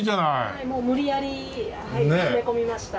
はいもう無理やり詰め込みました。